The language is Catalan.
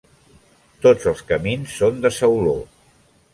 Tots els camins són de sauló.